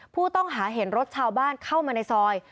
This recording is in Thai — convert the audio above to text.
ผู้ต้องหาเห็นรถชาวบ้านเข้ามาในซอย